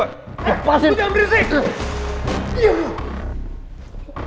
eh lo jangan berisik